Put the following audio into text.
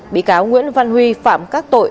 bị cáo nguyễn văn huy phạm các tội